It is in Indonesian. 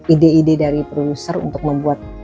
ide ide dari produser untuk membuat